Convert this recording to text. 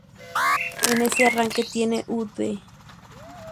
En ese arranque tiene Ud.